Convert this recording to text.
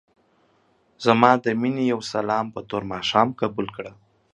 ځما دې مينې يو سلام په تور ماښام قبول کړه.